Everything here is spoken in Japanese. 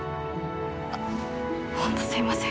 あっ本当すいません。